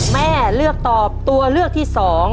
แม่เลือกตอบตัวเลือกที่๒